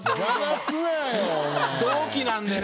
同期なんでね